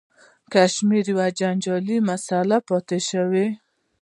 کشمیر یوه جنجالي مسله پاتې شوه.